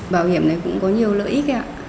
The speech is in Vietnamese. bảo hiểm này cũng có nhiều lợi ích ạ